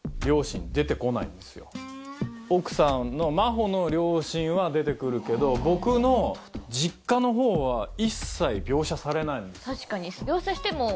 奥さんの真帆の両親は出て来るけど僕の実家のほうは一切描写されないんですよ。